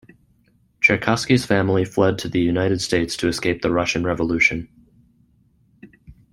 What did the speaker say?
Cherkassky's family fled to the United States to escape the Russian Revolution.